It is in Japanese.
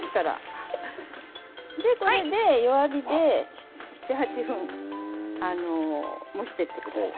これで弱火で７、８分蒸していってください。